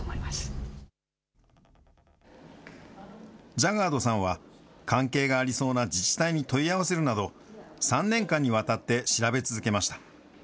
ジャガードさんは、関係がありそうな自治体に問い合わせるなど、３年間にわたって調べ続けました。